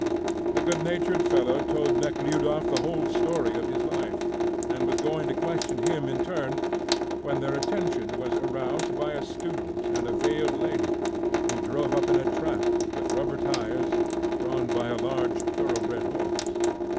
The good natured fellow told Nekhludoff the whole story of his life, and was going to question him in turn, when their attention was aroused by a student and a veiled lady, who drove up in a trap, with rubber tyres, drawn by a large thoroughbred horse.